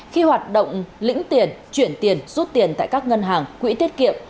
khi hoạt động lĩnh tiền chuyển tiền rút tiền tại các ngân hàng quỹ tiết kiệm